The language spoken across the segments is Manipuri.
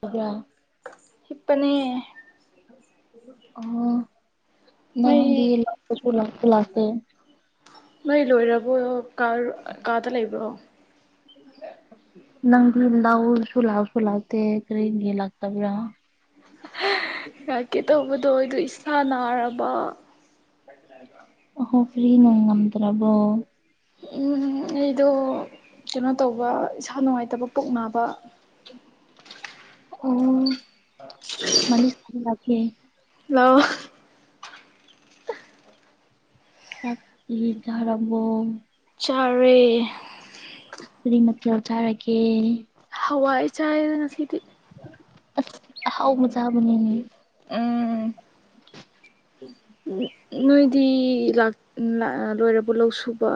ꯇꯕꯂꯥ ꯍꯤꯞꯄꯅꯦ ꯑꯥ ꯑꯥ ꯅꯣꯏ ꯅꯗꯤ ꯂꯥꯛꯄꯁꯨ ꯂꯥꯛꯇꯦ ꯅꯣꯏ ꯂꯣꯏꯔꯕꯣ ꯀꯥ ꯀꯥꯗ ꯂꯩꯕ꯭ꯔꯣ ꯅꯪꯗꯤ ꯂꯎꯁꯨ ꯂꯥꯛꯁꯨꯨ ꯂꯥꯛꯇꯦ ꯀꯔꯤ ꯂꯥꯛꯇꯥꯕ꯭ꯔ ꯍ ꯂꯥꯛꯀꯦ ꯇꯧꯕꯗꯣ ꯑꯩꯗꯣ ꯏꯁꯥ ꯅꯥꯔꯕ unaudible ꯑꯍꯣ ꯀꯔꯤꯅꯣ ꯉꯝꯗ꯭ꯔꯕꯣ ꯎꯝ ꯑꯩꯗꯣ ꯀꯩꯅꯣ ꯇꯧꯕ ꯏꯁꯥ ꯅꯨꯡꯉꯥꯏꯇꯕ ꯄꯨꯛ ꯅꯥꯕ ꯑꯣ ꯃꯥꯅꯤ ꯇꯩꯕ ꯂꯥꯛꯀꯦ ꯂꯥꯑꯣ ꯆꯥꯛꯇꯤ ꯆꯥꯔꯕꯣ ꯆꯔꯦ ꯀꯔꯤ ꯃꯇ ꯂꯧꯊꯥꯔꯒꯦ ꯍꯋꯥꯏ ꯆꯥꯏ ꯉꯁꯤꯗꯤ ꯑꯁ ꯑꯍꯥꯎ ꯃꯨꯖꯥꯃꯅꯤꯅꯤ ꯎꯝ ꯎ ꯅꯣꯏꯗꯤ ꯂꯥꯛ ꯂꯣꯏꯔꯕ ꯂꯧ ꯁꯨꯕ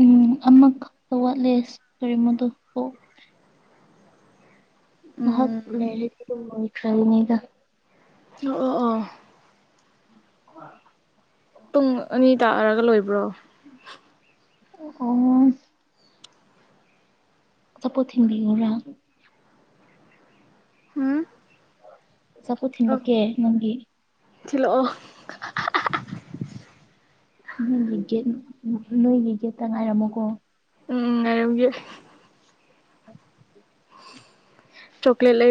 ꯎꯝ ꯑꯃꯈꯛꯇ ꯋꯥꯠꯂꯦ ꯀꯔꯤꯃꯣꯗꯣ ꯃ ꯎꯝ ꯏ꯭ꯔꯗꯅꯤꯒ ꯑꯣ ꯑꯣ ꯑꯣ ꯑ [unintelligible] ꯄꯨꯡ ꯑꯅꯤ ꯇꯥꯑꯔꯒ ꯂꯣꯏꯕ꯭ꯔꯣ ꯑꯣ ꯆꯄꯣ ꯊꯤꯡꯗꯤꯔꯥ ꯎꯝ ꯆꯄꯨ ꯊꯤꯟꯂꯀꯦ ꯅꯪꯒꯤ ꯊꯂꯣꯑꯣ ꯅꯣꯏꯒꯤ ꯒꯦꯠ ꯅꯣꯏꯒꯤ ꯒꯦꯠꯇ ꯉꯥꯏꯔꯝꯃꯨꯀꯣ ꯎꯝ ꯌꯦ ꯆꯣꯀꯂꯦꯠ ꯂꯩ